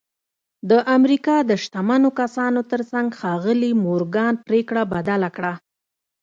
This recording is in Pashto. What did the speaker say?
د امریکا د شتمنو کسانو ترڅنګ ښاغلي مورګان پرېکړه بدله کړه